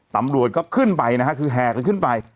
ตำรวจก็ขึ้นไปนะฮะคือแห่กันขึ้นไป